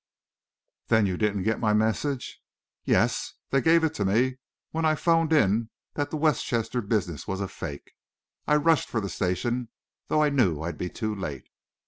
"Then you didn't get my message?" "Yes they gave it to me when I 'phoned in that the Westchester business was a fake. I rushed for the station, though I knew I'd be too late."